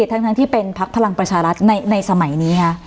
ทั้งที่เป็นพักพลังประชารัฐในสมัยนี้ค่ะ